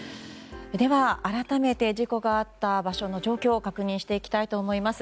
では、改めて事故があった場所の状況を確認していきたいと思います。